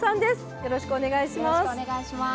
よろしくお願いします。